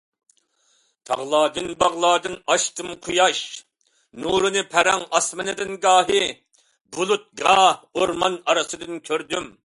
تاغلاردىن، باغلاردىن ئاشتىم قۇياش نۇرىنى پەرەڭ ئاسمىنىدىن گاھى بۇلۇت، گاھ ئورمان ئارىسىدىن كۆردۈم.